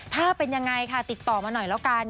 ถ้าเป็นยังไงค่ะติดต่อมาหน่อยแล้วกัน